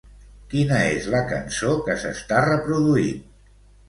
Quina és la cançó que s'està reproduint?